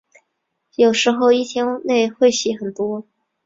有时候一天内会写很多。